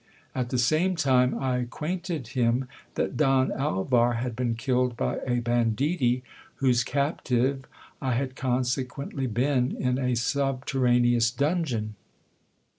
At the same time, I acquainted him that Don Alvar had been killed by a ban ditti, whose captive I had consequently been in a subterraneous dungeon.